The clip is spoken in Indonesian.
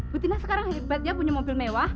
bu tina sekarang hebat dia punya mobil mewah